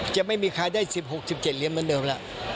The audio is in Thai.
จะไม่มีใครได้๑๖๑๗เหรียญเหมือนเดิมแล้ว